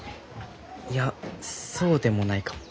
いやそうでもないかも。